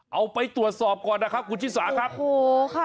เอาไปตรวจสอบก่อนนะครับคุณชิทธิ์ศาสตร์ครับโอ้โฮค่ะ